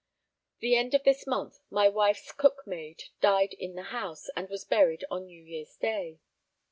The end of this month my wife's cook maid died in the house, and was buried on New Year's Day.